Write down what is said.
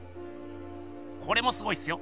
これもすごいっすよ！